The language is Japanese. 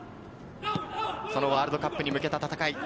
そのワールドカップに向けた戦い。